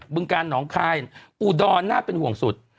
ึงการหนองคายอุดรน่าเป็นห่วงสุด